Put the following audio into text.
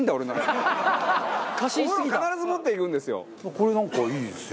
これなんかいいですよ。